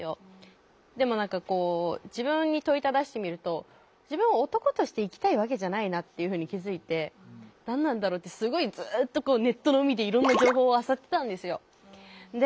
でも何かこう自分に問いただしてみると自分は男として生きたいわけじゃないなっていうふうに気付いて何なんだろうってすごいずっとネットの海でいろんな情報をあさってたんですよ。